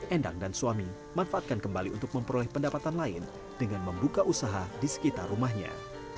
dua ribu dua puluh satu endang dan suami manfaatkan kembali untuk memperoleh pendapatan lain dengan membuka usaha di sekitar rumahnya